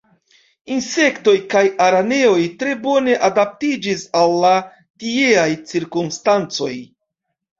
Insektoj kaj araneoj tre bone adaptiĝis al la tieaj cirkonstancoj.